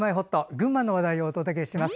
群馬の話題をお届けします。